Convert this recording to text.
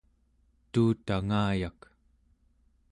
tuutangayak